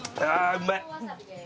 うまい！